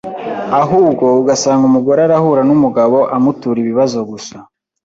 ahubwo ugasanga umugore arahura n’umugabo amutura ibibazo gusa,